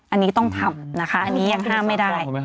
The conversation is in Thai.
อันนี้ต้องทำนะคะอันนี้ยังห้ามไม่ได้